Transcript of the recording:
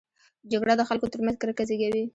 جګړه د خلکو ترمنځ کرکه زېږوي